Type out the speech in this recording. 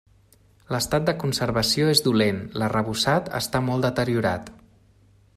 L'estat de conservació és dolent, l'arrebossat està molt deteriorat.